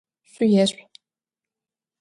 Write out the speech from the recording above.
Шъуешъу!